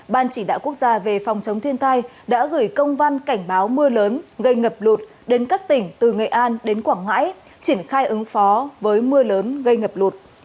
ban chỉ đạo quốc gia về phòng chống thiên tai đã gửi công văn cảnh báo mưa lớn gây ngập lụt đến các tỉnh từ nghệ an đến quảng ngãi triển khai ứng phó với mưa lớn gây ngập lụt